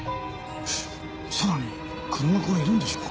さらに黒幕がいるんでしょうか？